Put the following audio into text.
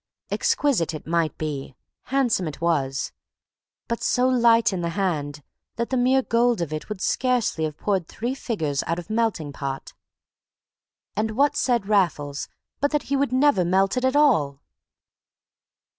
Exquisite it might be, handsome it was, but so light in the hand that the mere gold of it would scarcely have poured three figures out of melting pot. And what said Raffles but that he would never melt it at all!